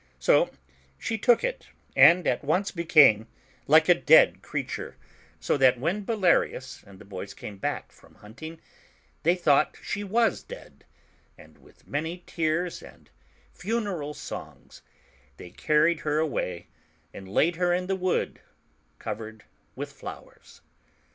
So she took it, and at once became like a dead creature, so that when Bellarius and the boys came back from hunting, they thought she was dead, and with many tears and funeral songs, they car ried her away and laid her in the wood, covered with flowers.